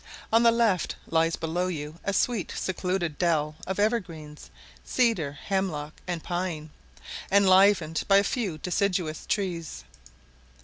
On the left lies below you a sweet secluded dell of evergreens, cedar, hemlock, and pine, enlivened by a few deciduous trees.